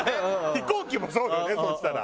飛行機もそうだよねそしたら。